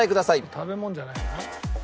食べ物じゃないな。